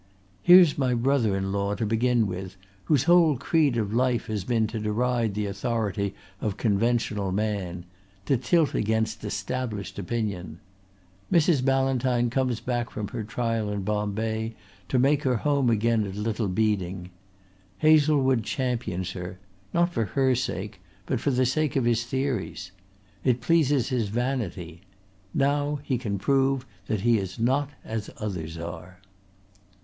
Here's my brother in law to begin with, whose whole creed of life has been to deride the authority of conventional man to tilt against established opinion. Mrs. Ballantyne comes back from her trial in Bombay to make her home again at Little Beeding. Hazlewood champions her not for her sake, but for the sake of his theories. It pleases his vanity. Now he can prove that he is not as others are."